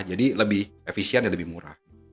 jadi lebih efisien dan lebih murah